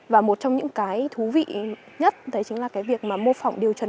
và một trong những cái thú vị nhất đấy chính là cái việc mà mô phỏng điều chuẩn